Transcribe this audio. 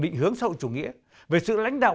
định hướng sâu chủ nghĩa về sự lãnh đạo